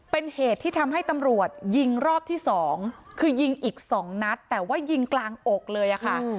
เป็นเหตุที่ทำให้ตำรวจยิงรอบที่สองคือยิงอีกสองนัดแต่ว่ายิงกลางอกเลยอะค่ะ